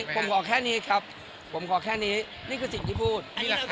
ผมขอแค่นี้ครับผมขอแค่นี้นี่คือสิ่งที่พูด